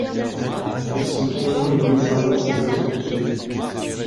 Ils sont emmenés au commissariat sans être poursuivis.